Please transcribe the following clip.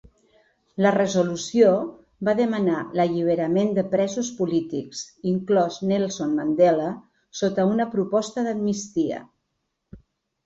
La resolució va demanar l'alliberament de presos polítics, inclòs Nelson Mandela, sota una proposta d'amnistia.